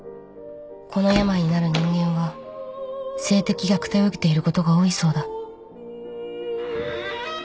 この病になる人間は性的虐待を受けていることが多いそうだ。